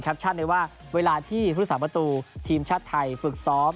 แคปชั่นเลยว่าเวลาที่ภูติศาสตร์ประตูทีมชาติไทยฝึกซ้อม